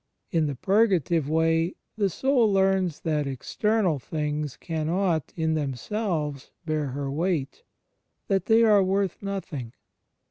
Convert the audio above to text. In the Purgative Way the soul learns that external things cannot, in themselves, bear her weight — that they are worth nothing.